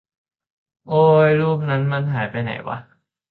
โอ๊ยรูปนั้นมันหายไปไหนวะ